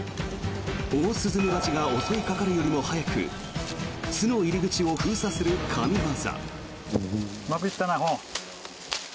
オオスズメバチが襲いかかるよりも早く巣の入り口を封鎖する神業。